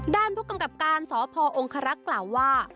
ด้านผู้กำกับการสพองครักษ์กล่าวว่า